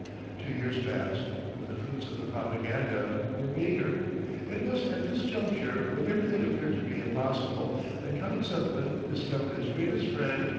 Two years passed, but the fruits of the propaganda were meagre. It was at this juncture, when everything appeared to be impossible, that Count Zeppelin discovered his greatest friend.